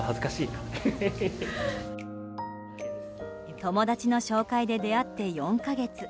友達の紹介で出会って４か月。